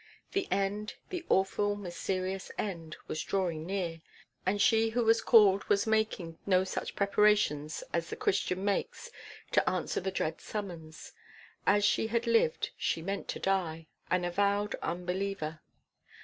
The end, the awful, mysterious end, was drawing near; and she who was called was making no such preparations as the Christian makes to answer the dread summons. As she had lived, she meant to die an avowed unbeliever.